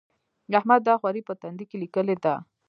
د احمد دا خواري په تندي کې ليکلې ده.